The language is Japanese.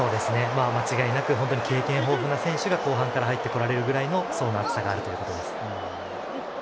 間違いなく経験豊富な選手が後半から入ってこられるぐらいの層の厚さがあるということです。